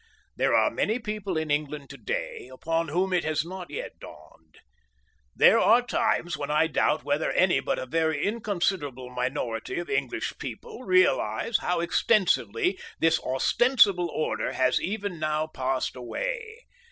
There are many people in England to day upon whom it has not yet dawned. There are times when I doubt whether any but a very inconsiderable minority of English people realise how extensively this ostensible order has even now passed away.